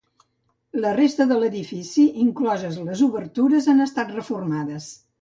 La resta de l'edifici, incloses les obertures, han estat reformades.